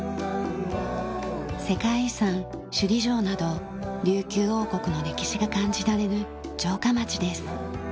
世界遺産首里城など琉球王国の歴史が感じられる城下町です。